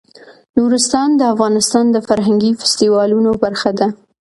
نورستان د افغانستان د فرهنګي فستیوالونو برخه ده.